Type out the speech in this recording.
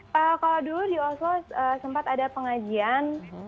pak kalau dulu di oslo sempat ada pengajian